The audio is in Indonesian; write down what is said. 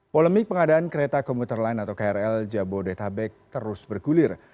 polemik pengadaan kereta komuter lain atau krl jabodetabek terus bergulir